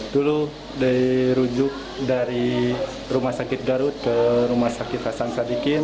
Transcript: dulu dirujuk dari rumah sakit garut ke rumah sakit hasan sadikin